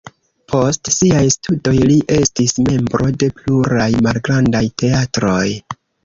Post siaj studoj li estis membro de pluraj malgrandaj teatroj.